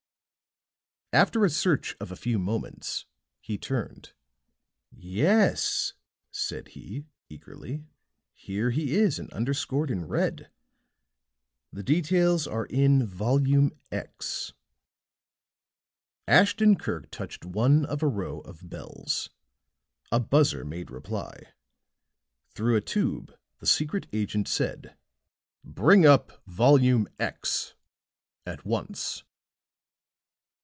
After a search of a few moments he turned. "Yes," said he, eagerly. "Here he is, and underscored in red. The details are in Volume X." Ashton Kirk touched one of a row of bells. A buzzer made reply; through a tube the secret agent said: "Bring up Volume X at once."